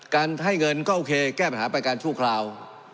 ให้เงินก็โอเคแก้ปัญหาไปการชั่วคราว